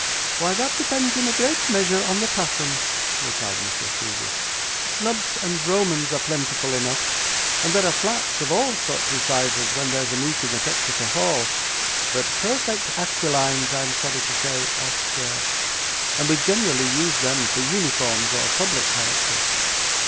'Why, that depends in a great measure on the pattern,' replied Miss La Creevy. 'Snubs and Romans are plentiful enough, and there are flats of all sorts and sizes when there's a meeting at Exeter Hall; but perfect aquilines, I am sorry to say, are scarce, and we generally use them for uniforms or public characters.